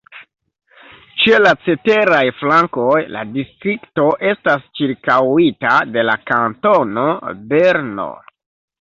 Ĉe la ceteraj flankoj la distrikto estas ĉirkaŭita de la Kantono Berno.